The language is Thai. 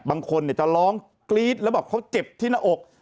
บางคนจะร้องกรี๊ดแล้วบอกเขาเจ็บที่หน้าอก